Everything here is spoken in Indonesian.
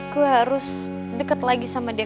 gue harus dekat lagi sama dia